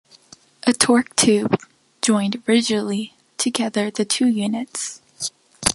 A torque tube joined rigidly together the two units.